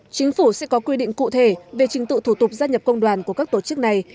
chính phủ sẽ có quy định cụ thể về trình tự thủ tục gia nhập công đoàn của các tổ chức này